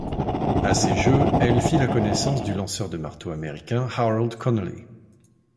À ces jeux, elle fit la connaissance du lanceur de marteau américain Harold Connolly.